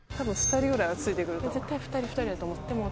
絶対２人２人だと思う。